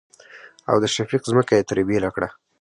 او د شفيق ځمکه يې ترې بيله کړه.